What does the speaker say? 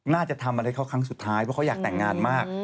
น่าจะทำอะไรเขาครั้งสุดท้ายเพราะเขาอยากแต่งงานมาก